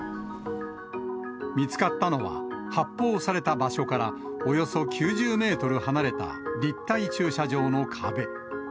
見つかったのは、発砲された場所からおよそ９０メートル離れた立体駐車場の壁。